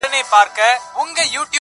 زه دغه ستا د يوازيتوب په معنا_